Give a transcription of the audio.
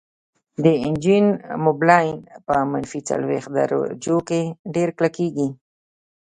د انجن موبلاین په منفي څلوېښت درجو کې ډیر کلکیږي